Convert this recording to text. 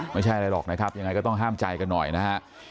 ไม่ใช่อะไรหรอกนะครับยังไงก็ต้องห้ามใจกันหน่อยนะฮะ